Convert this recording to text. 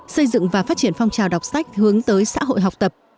xây dựng và phát triển phong trào đọc sách hướng tới xã hội học tập